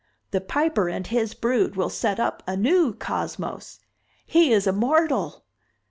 The Piper and his brood will set up a new cosmos. He is immortal!"